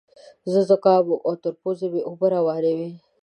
زه ذکام وم او تر پوزې مې اوبه روانې وې.